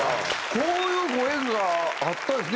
こういうご縁があったんですね